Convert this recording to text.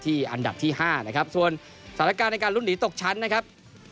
อันดับที่๕นะครับส่วนสถานการณ์ในการลุ้นหนีตกชั้นนะครับ